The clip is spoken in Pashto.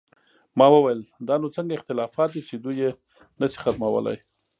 ما وویل: دا نو څنګه اختلافات دي چې دوی یې نه شي ختمولی؟